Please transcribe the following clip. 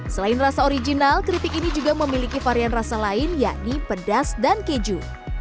selain rasa original keripik ini juga memiliki varian rasa lain yakni pedas dan keju